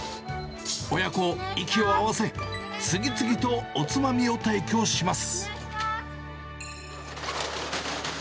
親子、息を合わせ、次々とおつまみを提供します。